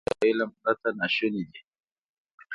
ژورو ته کوزېدل له علم پرته ناشونی دی.